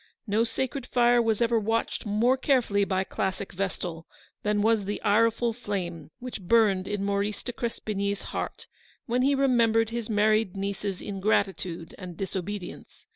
No sacred fire was ever watched more carefully by classic vestal than was the ireful flame which burned in Maurice de Crespigny's heart when he remembered his married niece's ingratitude and disobedience.